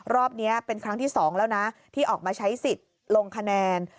รอบนี้เป็นครั้งที่๒แล้วนะที่ออกมาใช้สิทธิ์ลงคะแนน